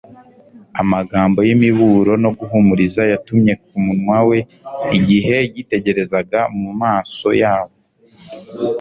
Amagambo y'imiburo no guhumuriza yatumye ku munwa we igihe yitegerezaga mu maso yabo